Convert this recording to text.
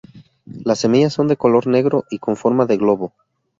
Las semillas son de color negro y con forma de globo.